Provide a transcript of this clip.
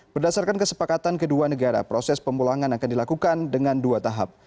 berdasarkan kesepakatan kedua negara proses pemulangan akan dilakukan dengan dua tahap